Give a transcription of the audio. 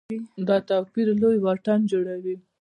دا توپیر لوی واټن جوړوي.